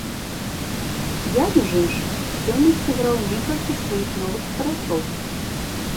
Я, між іншым, сёння сыграў некалькі сваіх новых трэкаў!